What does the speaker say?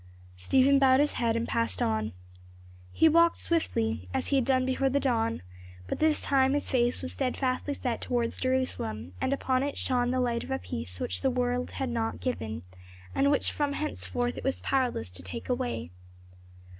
Stephen bowed his head and passed on. He walked swiftly as he had done before the dawn but this time his face was steadfastly set towards Jerusalem, and upon it shone the light of a peace which the world had not given, and which from henceforth it was powerless to take away.